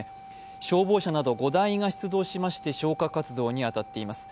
消防車など５台が出動して消火活動に当たっています。